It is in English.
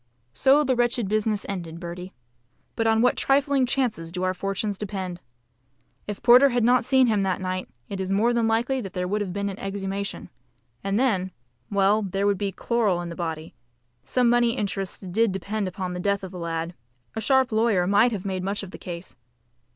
So the wretched business ended, Bertie. But on what trifling chances do our fortunes depend! If Porter had not seen him that night, it is more than likely that there would have been an exhumation. And then, well, there would be chloral in the body; some money interests DID depend upon the death of the lad a sharp lawyer might have made much of the case.